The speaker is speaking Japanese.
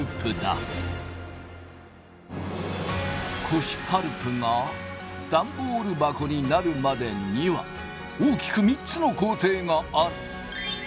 古紙パルプがダンボール箱になるまでには大きく３つの工程がある。